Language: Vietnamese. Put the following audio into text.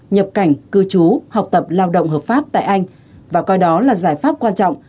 nhập cảnh cư trú học tập lao động hợp pháp tại anh và coi đó là giải pháp quan trọng